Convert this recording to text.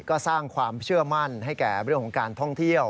ก็สร้างความเชื่อมั่นให้แก่เรื่องของการท่องเที่ยว